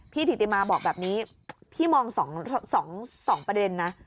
ถิติมาบอกแบบนี้พี่มอง๒ประเด็นนะ